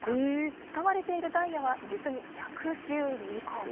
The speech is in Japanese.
使われているダイヤは、実に１１２個。